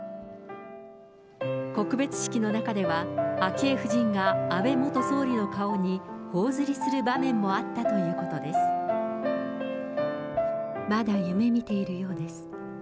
告別式の中では、昭恵夫人が安倍元総理の顔にほおずりする場面もあったということまだ夢みているようです。